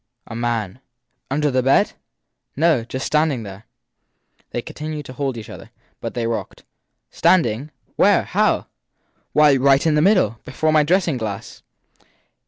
A man/ Under the bed? No just standing there. They continued to hold each other, but they rocked. Stand ing? Where? How? Why, right in the middle before my dressing glass.